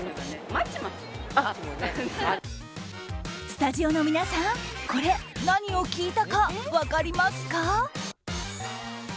スタジオの皆さん、これ何を聞いたか分かりますか？